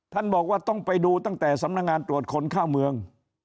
ท่านบอกว่าต้องไปดูตั้งแต่สำนักงานตรวจคนเข้าเมือง